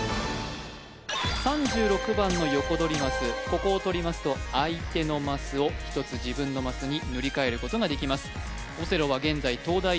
ここを取りますと相手のマスを１つ自分のマスに塗り替えることができます